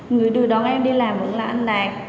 người đưa đón em đi làm vẫn là anh đạt